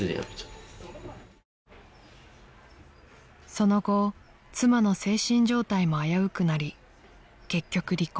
［その後妻の精神状態も危うくなり結局離婚］